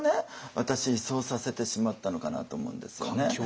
私そうさせてしまったのかなと思うんですよね。